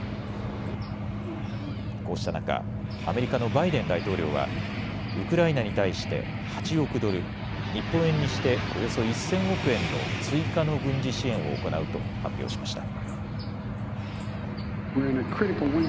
こうした中、アメリカのバイデン大統領は、ウクライナに対して８億ドル、日本円にしておよそ１０００億円の追加の軍事支援を行うと発表しました。